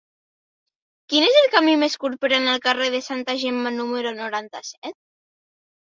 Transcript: Quin és el camí més curt per anar al carrer de Santa Gemma número noranta-set?